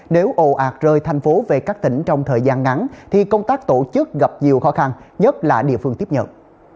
nếu ồ ạc rời thành phố về các tỉnh trong thời gian ngắn thì công tác tổ chức gặp nhiều khó khăn nhất là địa phương tiếp nhận